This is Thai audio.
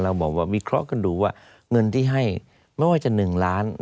บอกว่าวิเคราะห์กันดูว่าเงินที่ให้ไม่ว่าจะ๑ล้าน